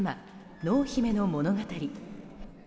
濃姫の物語。